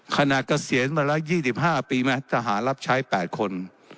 ขนาดเกษียณมาแล้ว๒๕ปีมั้ยทหารรับใช้๘คน